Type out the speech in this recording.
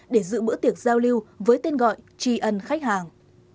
để giữ bữa tiệc giao lưu với tên gọi trì ẩn khách hàng